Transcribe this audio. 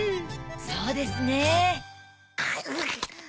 そうですね。